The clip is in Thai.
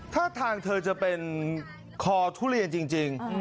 ถ้าทางเธอจะเป็นคอทุเรียนจริง